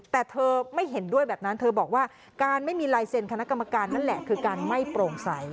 แต่เธอไม่เห็นด้วยแบบนั้นเธอบอกว่าการไม่มีลายเซ็นคณะกรรมการนั่นแหละคือการไม่โปร่งใส